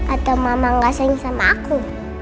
atau mama enggak sering sama aku